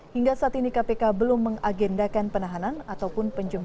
hingga saat ini kpk belum mengagendakan penahanan ataupun penjualan